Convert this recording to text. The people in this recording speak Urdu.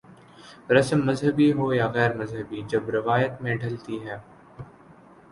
رسم مذہبی ہو یا غیر مذہبی جب روایت میں ڈھلتی ہے۔